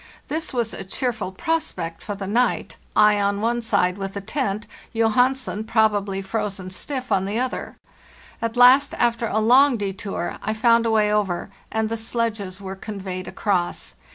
This was a cheerful prospect for the night, I on 156 FARTHEST NORTH one side with the tent, Johansen, probably frozen stiff, on the other. At last, after a long detour, I found a way over; and the sledges were conveyed across.